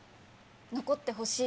残ってほしい。